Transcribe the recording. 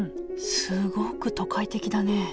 すごく都会的だね。